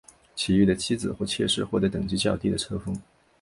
其余的妻子或妾室获得等级较低的册封。